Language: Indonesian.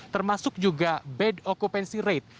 termasuk juga bad occupancy rate